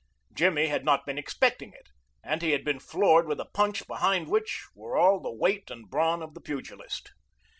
Jimmy had not been expecting it, and he had been floored with a punch behind which were all the weight and brawn of the pugilist.